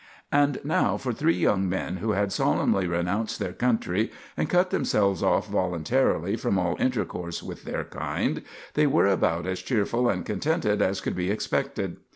And now, for three young men who had solemnly renounced their country and cut themselves off voluntarily from all intercourse with their kind, they were about as cheerful and contented as could be expected.